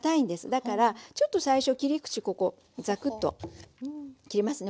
だからちょっと最初切り口ここザクッと切りますね。